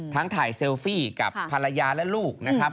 ถ่ายเซลฟี่กับภรรยาและลูกนะครับ